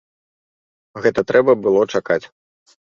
Гэта трэба было чакаць.